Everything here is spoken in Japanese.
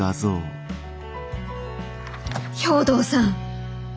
兵藤さん！